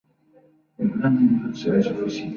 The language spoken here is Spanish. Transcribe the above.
Otro caso extremo se trata de Neptuno.